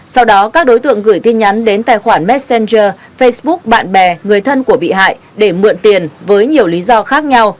sau đó các đối tượng gửi tin nhắn đến tài khoản messenger facebook bạn bè người thân của bị hại để mượn tiền với nhiều lý do khác nhau